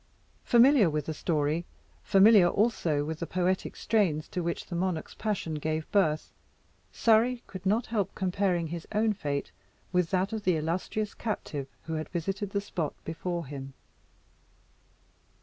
Familiar with the story, familiar also with the poetic strains to which the monarch's passion gave birth, Surrey could not help comparing his own fate with that of the illustrious captive who had visited the spot before him.